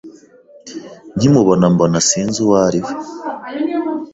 nkimubona mbona sinzi uwo ari we